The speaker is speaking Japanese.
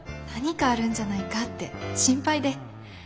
何かあるんじゃないかって心配で。